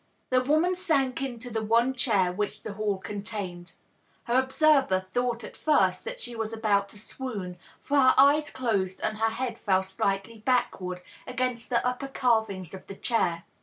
The woman sank into the one chair which the hall contained. Her observer thought at first that she was about to swoon, for her eyes closed and her head fell slightly backward against the upper carvings of the chair.